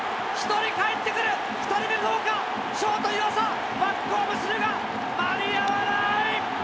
１人かえってくる、２人目、どうか、ショート、湯浅、バックホームするが、間に合わない！